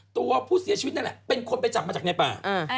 ตัวผู้เสียชีวิตนั่นแหละเป็นคนไปจับมาจากในป่า